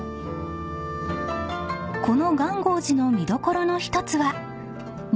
［この元興寺の見どころの１つは］